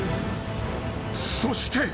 そして。